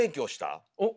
おっ？